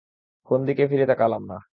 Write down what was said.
কোন দিকে ফিরে তাকালাম না।